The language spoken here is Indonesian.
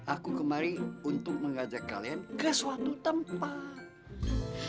aku kemari untuk mengajak kalian ke suatu tempat